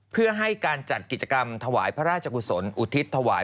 เพื่อให้การจัดกิจกรรมถวายพระราชกุศลอุทิศถวาย